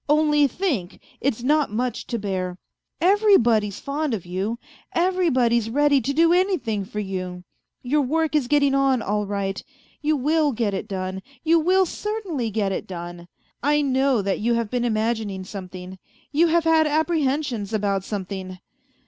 Only think, it's not much to bear. Everybody's fond of you, everybody's ready to do anything for you ; your work is getting on all right ; you will get it done, you will certainly get it done. I know that you have been imagining something, you have had apprehensions about something.